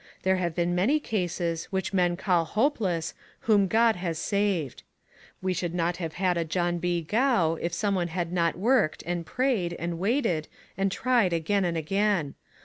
There have been many cases, which men call hopeless, whom God has saved. We ehould not have had a John B. Gough if somebody had not worked, and prayed, and waited, and tried again and again.